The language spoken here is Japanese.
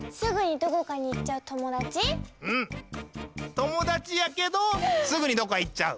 ともだちやけどすぐにどっかいっちゃう。